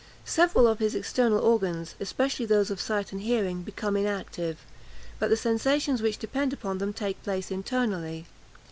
Several of his external organs, especially those of sight and hearing, become inactive; but the sensations which depend upon them take place internally.